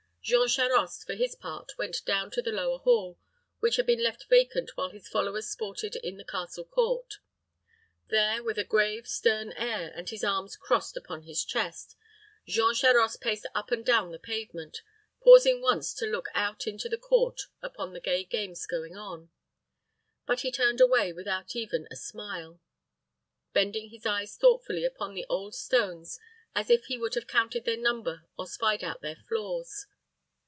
Jean Charost, for his part, went down to the lower hall, which had been left vacant while his followers sported in the castle court. There, with a grave, stern air, and his arms crossed upon his chest, Jean Charost paced up and down the pavement, pausing once to look out into the court upon the gay games going on; but he turned away without even a smile, bending his eyes thoughtfully upon the old stones as if he would have counted their number or spied out their flaws.